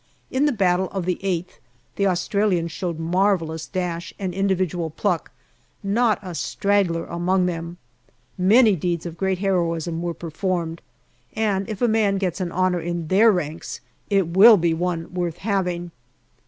In the battle of the 8th the Australians showed marvellous dash and individual pluck not a straggler among them. Many deeds of great heroism were performed, and if a man gets an honour in their ranks it will be one worth having.